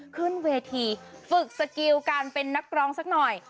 ขึ้นเวทีฝึกสกิลการเป็นนักร้องสักหน่อย